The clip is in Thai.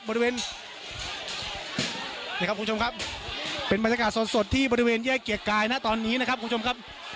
บริเวณนี่ครับคุณผู้ชมครับเป็นบรรยากาศสดที่บริเวณแยกเกียรติกายนะตอนนี้นะครับคุณผู้ชมครับ